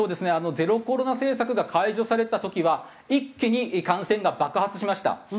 ゼロコロナ政策が解除された時は一気に感染が爆発しました。